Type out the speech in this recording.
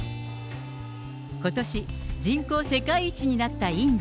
ことし、人口世界一になったインド。